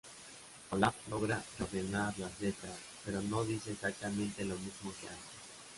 Olaf logra reordenar las letras, pero no dice exactamente lo mismo que antes.